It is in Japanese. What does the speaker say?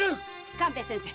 勘兵衛先生